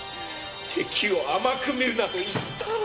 敵を甘く見るなと言ったろ。